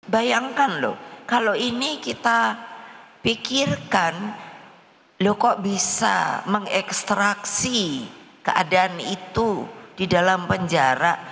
bayangkan loh kalau ini kita pikirkan loh kok bisa mengekstraksi keadaan itu di dalam penjara